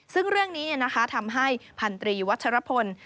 ซึ่งเรื่องนี้ทำให้พันตรีวัชรพล